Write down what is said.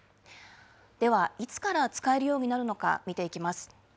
では、いつから使えるようになるのか、見ていきます。